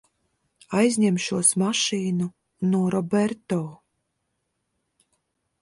Aizņemšos mašīnu no Roberto.